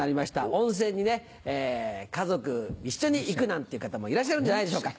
温泉にね家族一緒に行くなんていう方もいらっしゃるんじゃないでしょうか。